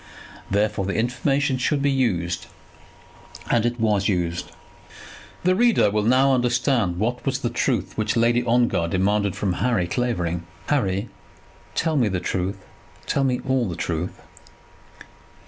Therefore the information should be used; and: it was used. The reader will now understand what was the truth which Lady Ongar demanded from Harry Clavering. "Harry, tell me the truth; tell me all the truth."